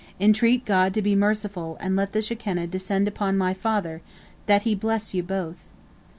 Entreat God to be merciful and let the Shekinah descend upon my father, that he bless you both."